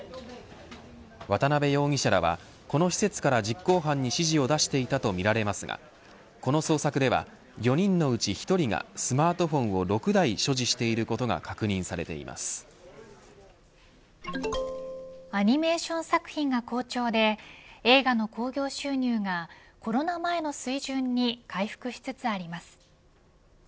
渡辺容疑者らはこの施設から、実行犯に指示を出していたとみられますがこの捜索では４人のうち１人がスマートフォンを６台所持していることがアニメーション作品が好調で映画の興行収入がコロナ前の水準に回復しつつあります。